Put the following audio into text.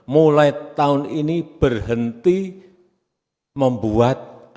mulai tahun ini berhenti membuat